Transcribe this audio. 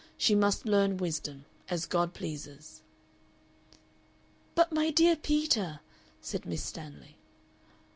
She must learn wisdom as God pleases." "But, my dear Peter!" said Miss Stanley.